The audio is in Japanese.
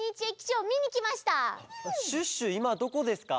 シュッシュいまどこですか？